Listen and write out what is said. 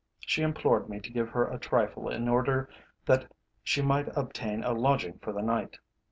She implored me to give her a trifle in order that she might obtain a lodging for the night.